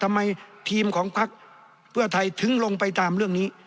ทำไมทีมของพักเพื่อไทยถึงลงไปตามเรื่องนี้